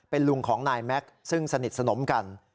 เป็นลุงของนายแม็กซ์ซึ่งสนิทสนมกัน